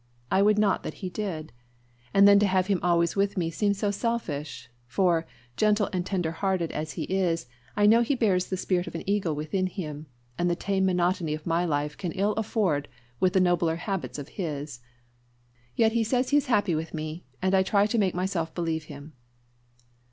I would not that he did. And then to have him always with me seems so selfish; for, gentle and tender hearted as he is, I know he bears the spirit of an eagle within him; and the tame monotony of my life can ill accord with the nobler habits of his. Yet he says he is happy with me, and I try to make myself believe him."